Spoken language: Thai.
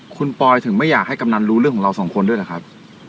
คุณปอยถึงไม่อยากให้กำนันรู้เรื่องของเราสองคนด้วยหรือครับ